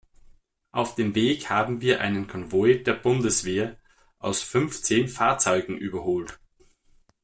Auf dem Weg haben wir einen Konvoi der Bundeswehr aus fünfzehn Fahrzeugen überholt.